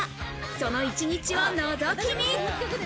その一日を覗き見。